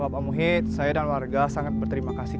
bapak muhid saya dan warga sangat berterima kasih